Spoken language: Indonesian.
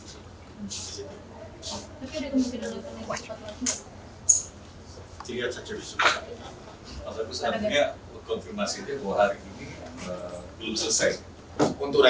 tapi ada kemungkinan untuk menekan sepatu lagi